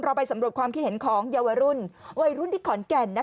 ไปสำรวจความคิดเห็นของเยาวรุ่นวัยรุ่นวัยรุ่นที่ขอนแก่น